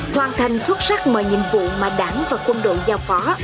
hoàn thành xuất sắc mọi nhiệm vụ mà đảng và quân đội giao phó